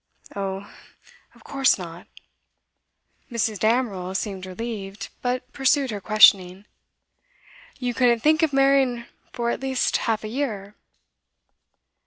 'Oh, of course not.' Mrs. Damerel seemed relieved, but pursued her questioning. 'You couldn't think of marrying for at least half a year?